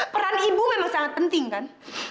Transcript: peran ibu memang sangat penting kan